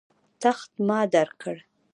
تخت ما درکړ.